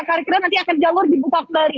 akhir akhir ini nanti akan jalur di bupak bali